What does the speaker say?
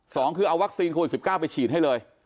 สองคือเอาวัคซีนโควิด๑๙ไปฉีดให้เลย